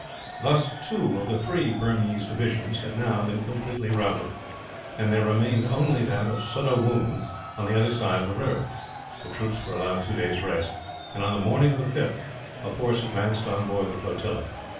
Thus, two of the three Burmese divisions had now been completely routed; and there remained only that of Sudda Woon, on the other side of the river. The troops were allowed two days' rest and, on the morning of the 5th, a force advanced on board the flotilla.